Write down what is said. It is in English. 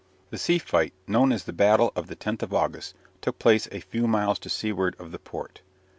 The sea fight, known as the battle of the Tenth of August, took place a few miles to seaward of the port.